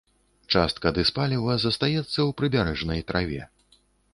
Частка дызпаліва застаецца ў прыбярэжнай траве.